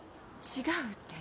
違うって。